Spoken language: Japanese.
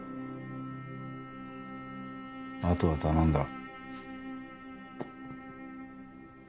あとは頼んだ。